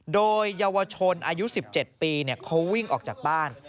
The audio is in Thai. โดยเยาวชนอายุ๑๗ปีเขาวิ่งออกจากบ้าน